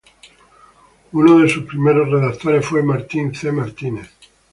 Uno de sus primeros redactores fue Martín C. Martínez.